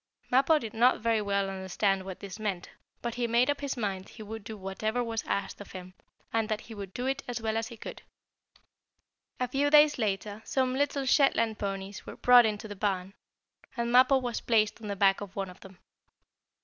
Mappo did not very well understand what this meant, but he made up his mind he would do whatever was asked of him, and that he would do it as well as he could. A few days later some little Shetland ponies were brought into the barn, and Mappo was placed on the back of one of them.